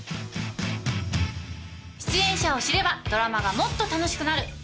出演者を知ればドラマがもっと楽しくなる。